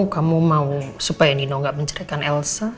kamu mau supaya nino gak menceritakan elsa